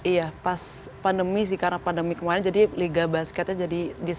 iya pas pandemi sih karena pandemi kemarin jadi liga basketnya jadi nggak bergulir lagi